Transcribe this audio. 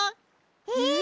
えっ！？